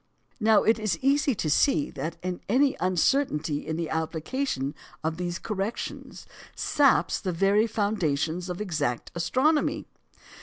Now it is easy to see that any uncertainty in the application of these corrections saps the very foundations of exact astronomy.